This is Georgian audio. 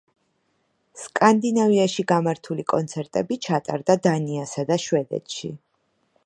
სკანდინავიაში გამართული კონცერტები ჩატარდა დანიასა და შვედეთში.